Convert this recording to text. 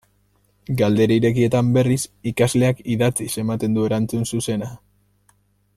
Galdera irekietan, berriz, ikasleak idatziz ematen du erantzun zuzena.